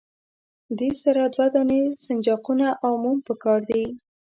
دې سره دوه دانې سنجاقونه او موم پکار دي.